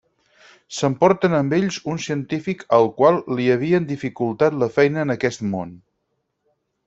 S'emporten amb ells un científic al qual li havien dificultat la feina en aquest món.